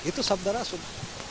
itu sabda rasul